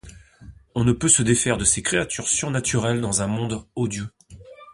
On ne peut se défaire de ces créatures surnaturelles dans un monde odieux.